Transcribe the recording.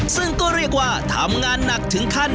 ซึ่งก็เรียกว่าทำงานหนักถึงขั้น